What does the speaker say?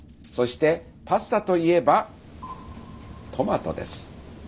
そしてパスタといえばトマトです。